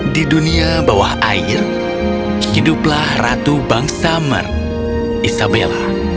di dunia bawah air hiduplah ratu bangsa mer isabella